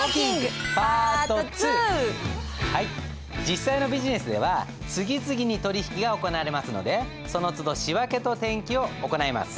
実際のビジネスでは次々に取引が行われますのでそのつど仕訳と転記を行います。